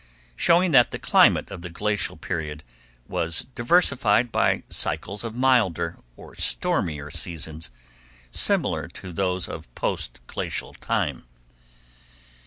showing that the climate of the glacial period was diversified by cycles of milder or stormier seasons similar to those of post glacial time.